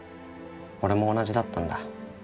俺も同じだったんだ。